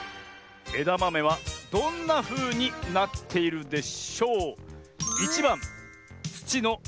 えだまめはどんなふうになっているでしょう？